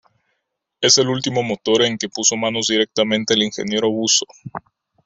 Es el ultimo motor en que puso manos directamente el Ingeniero Busso.